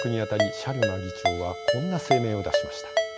シャルマ議長はこんな声明を出しました。